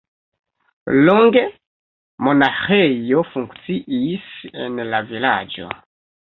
Longe monaĥejo funkciis en la vilaĝo.